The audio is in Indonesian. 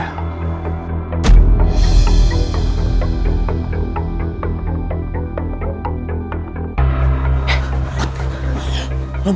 kamu tahu apa do